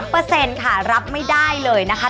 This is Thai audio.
เปอร์เซ็นต์ค่ะรับไม่ได้เลยนะคะ